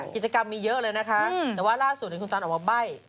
กิจกรรมมีเยอะเลยนะคะแต่ว่าล่าสุดคุณตันออกมาใบ้